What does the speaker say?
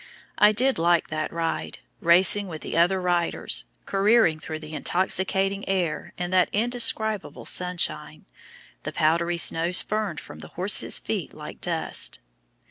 I did like that ride, racing with the other riders, careering through the intoxicating air in that indescribable sunshine, the powdery snow spurned from the horses' feet like dust!